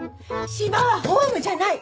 島はホームじゃない。